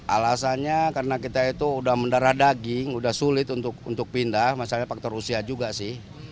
alasannya karena kita itu udah mendara daging sudah sulit untuk pindah masalahnya faktor usia juga sih